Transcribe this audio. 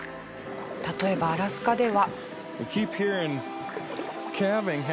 例えばアラスカでは。